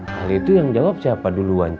kali itu yang jawab siapa duluan c